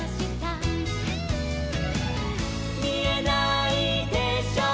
「みえないでしょう